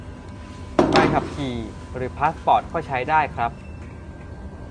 ใบขับขี่ หรือพาสปอร์ต ก็ใช้ได้ครับ